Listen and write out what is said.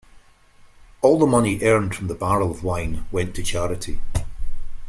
All the money earned from the barrel of wine went to charity.